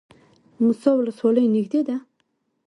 موسهي ولسوالۍ نږدې ده؟